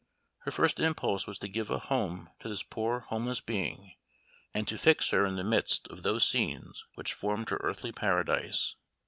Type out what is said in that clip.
Her first impulse was to give a home to this poor homeless being, and to fix her in the midst of those scenes which formed her earthly paradise.